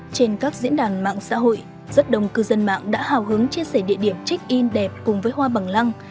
trên các diễn đàn mạng xã hội rất đông cư dân mạng đã hào hứng chia sẻ địa điểm check in đẹp cùng với hoa bằng lăng